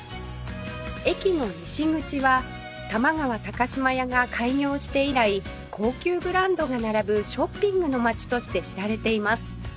駅の西口は玉川島屋が開業して以来高級ブランドが並ぶショッピングの街として知られています